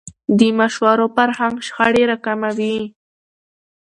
د مشورو فرهنګ شخړې راکموي